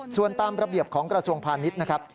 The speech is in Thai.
ส่วนตามระเบียบของกระทรวงพาณิชย์นะครับ